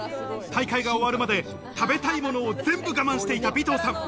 大会が終わるまで食べたいものを全部我慢していた尾藤さん。